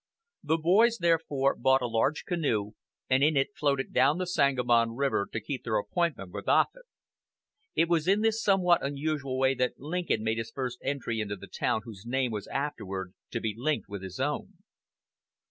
The boys, therefore, bought a large canoe, and in it floated down the Sangamon River to keep their appointment with Offut. It was in this somewhat unusual way that Lincoln made his first entry into the town whose name was afterward to be linked with his own.